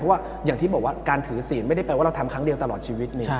เพราะว่าอย่างที่บอกว่าการถือศีลไม่ได้แปลว่าเราทำครั้งเดียวตลอดชีวิต